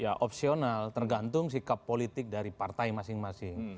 ya opsional tergantung sikap politik dari partai masing masing